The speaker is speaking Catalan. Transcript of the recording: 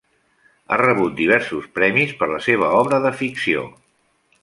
Ha rebut diversos premis per la seva obra de ficció.